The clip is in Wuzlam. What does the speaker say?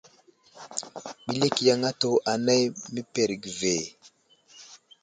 Ɓəlik yaŋ atu anay məpərge ve.